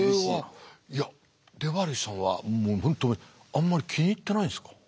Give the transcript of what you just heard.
いやデバリーさんは本当あんまり気に入ってないんですか？